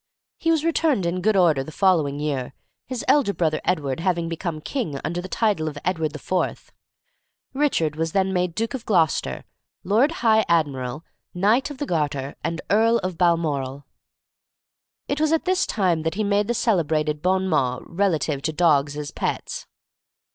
He was returned in good order the following year. His elder brother Edward having become king, under the title of Edward IV., Richard was then made Duke of Gloucester, Lord High Admiral, Knight of the Garter, and Earl of Balmoral. It was at this time that he made the celebrated bon mot relative to dogs as pets.